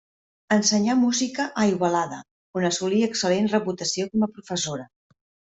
Ensenyà música a Igualada, on assolí excel·lent reputació com a professora.